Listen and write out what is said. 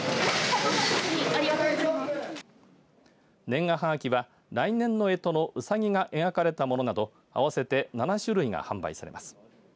年賀はがきは来年のえとのうさぎが描かれたものなど合わせて７種類が販売されます。